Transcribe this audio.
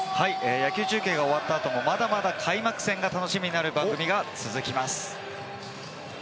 野球中継が終わった後もまだまだ開幕戦が楽しみになる番組が続きます。